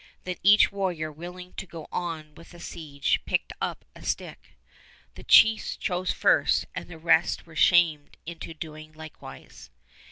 Then each warrior willing to go on with the siege picked up a stick. The chiefs chose first and the rest were shamed into doing likewise.